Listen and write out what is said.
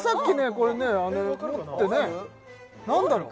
これね持ってね何だろう？